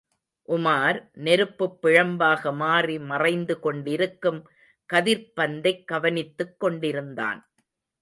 உமார், நெருப்புப் பிழம்பாக மாறி மறைந்து கொண்டிருக்கும் கதிர்ப்பந்தைக் கவனித்துக் கொண்டிருந்தான்.